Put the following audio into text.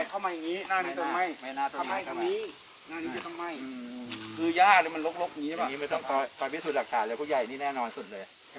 หน้าตรงไหมหน้าตรงไหนหน้าตรงไหนหน้าตรงนี้หน้าตรงนี่หน้าตรงตรงไหม